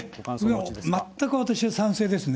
もう全く私は賛成ですね。